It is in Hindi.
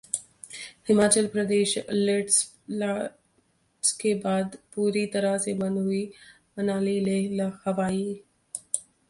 हिमाचल प्रदेश: लैंडस्लाइड के बाद पूरी तरह से बंद हुआ मनाली-लेह हाइवे